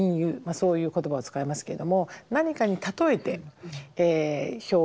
そういう言葉を使いますけども何かに例えて表現をする。